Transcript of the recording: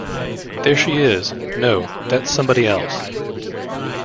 There she is — no, that's somebody else.